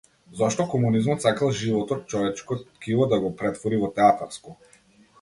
Зошто комунизмот сакал живото, човечко ткиво да го претвори во театарско?